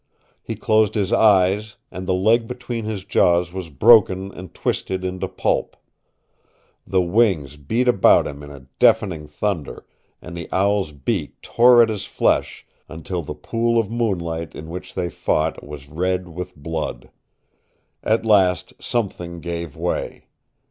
He closed his eyes, and the leg between his jaws was broken and twisted into pulp. The wings beat about him in a deafening thunder, and the owl's beak tore at his flesh, until the pool of moonlight in which they fought was red with blood. At last something gave way.